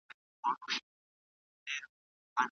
ځواب: هو، د تاریخ په اوږدو کې د فارسي ژبو